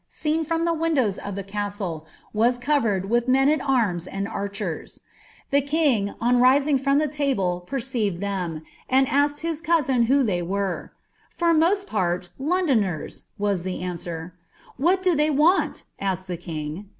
seen rroni the windows of Ik* nistlc, was covered with men at arms and archera. Tl)« king, os ttiiif I'ruRi Ihe table, perceived iheoi, and asked his cousId whoiheywaK •* For most part Londoners," was the answer. " And what da <k(y want i" asked the king.